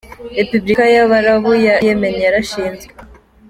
Repubulika y’abarabu ya Yemen yarashinzwe.